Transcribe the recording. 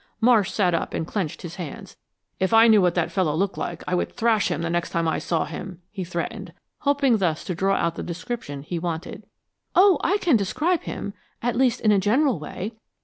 Marsh sat up and clenched his hands. "If I knew what the fellow looked like I would thrash him the next time I saw him," he threatened, hoping thus to draw out the description he wanted. "Oh, I can describe him at least in a general way.